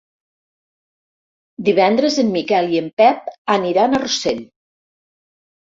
Divendres en Miquel i en Pep aniran a Rossell.